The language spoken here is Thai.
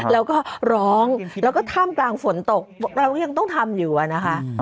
แล้วก็ร้องแล้วก็ท่ามกลางฝนตกเราก็ยังต้องทำอยู่อะนะคะ